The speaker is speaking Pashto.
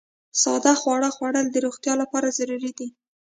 ساده خواړه خوړل د روغتیا لپاره ضروري دي.